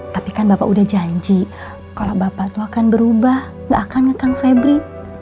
tapi kan bapak udah janji kalau bapak tuh akan berubah gak akan ngekang febri